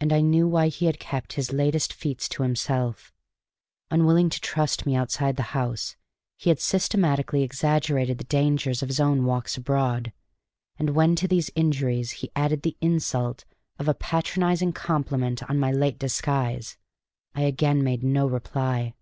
And I knew why he had kept his latest feats to himself: unwilling to trust me outside the house, he had systematically exaggerated the dangers of his own walks abroad; and when to these injuries he added the insult of a patronizing compliment on my late disguise, I again made no reply.